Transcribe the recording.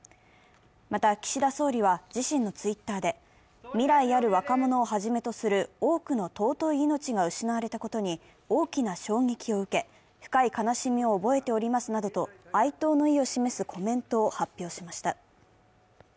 また、岸田総理は自身のＴｗｉｔｔｅｒで未来ある若者をはじめとする多くの尊い命が失われたことに大きな衝撃を受け、深い悲しみを覚えておりますなどと哀悼の意を示すコメントを発表しました。